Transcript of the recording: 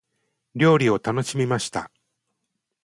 料理を楽しみました。